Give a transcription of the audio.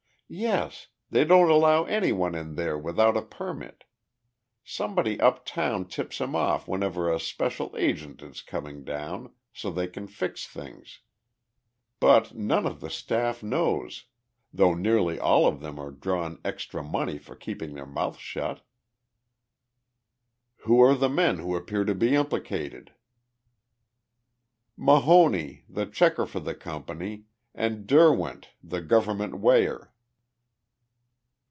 "Yes; they don't allow anyone in there without a permit. Somebody uptown tips 'em off whenever a special agent is coming down, so they can fix things. But none of the staff knows, though nearly all of them are drawin' extra money for keeping their mouths shut." "Who are the men who appear to be implicated?" "Mahoney, the checker for the company, and Derwent, the government weigher."